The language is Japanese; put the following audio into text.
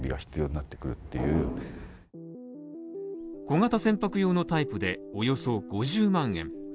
小型船舶用のタイプでおよそ５０万円。